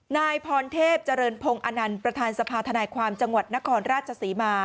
นายพรเทพเจริญพงศ์อนันต์ประธานสภาธนายความจังหวัดนครราชศรีมา